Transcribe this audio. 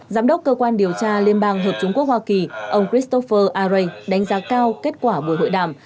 giám đốc cơ quan điều tra liên bang hợp chúng quốc hoa kỳ ông christopher arey đánh giá cao kết quả buổi hội đàm